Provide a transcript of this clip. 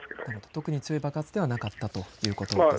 特に強い爆発ではなかったということですね。